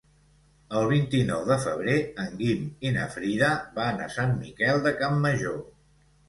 El vint-i-nou de febrer en Guim i na Frida van a Sant Miquel de Campmajor.